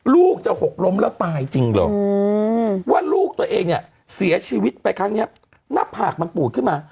ลูกจะหกล้มแล้วตายจริงเหรอว่าลูกตัวเองเนี่ยเสียชีวิตไปครั้งนี้หน้าผากมันปูดขึ้นมา